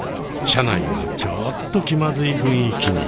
車内はちょっと気まずい雰囲気に。